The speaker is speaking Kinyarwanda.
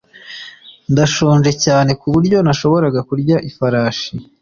ndashonje cyane kuburyo nashoboraga kurya ifarashi